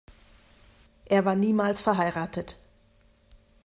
Er war niemals verheiratet.